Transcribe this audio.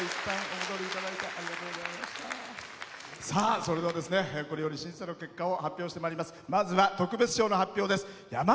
それでは、これより審査の結果を発表してまいります。